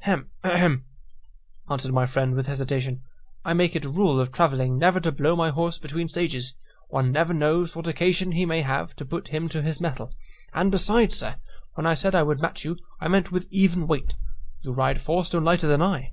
"Hem, ahem," answered my friend with hesitation; "I make it a rule of travelling never to blow my horse between stages; one never knows what occasion he may have to put him to his mettle: and besides, sir, when I said I would match you, I meant with even weight; you ride four stone lighter than I."